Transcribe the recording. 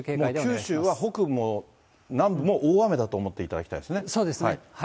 九州は北部も南部も大雨だと思っていただきたいですね。